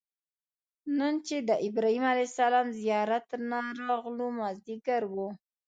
نن چې د ابراهیم علیه السلام زیارت نه راغلو مازیګر و.